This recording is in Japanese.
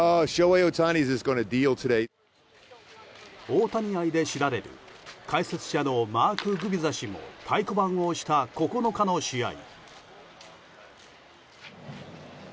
大谷愛で知られる解説者のマーク・グビザ氏も太鼓判を押した９日の試合。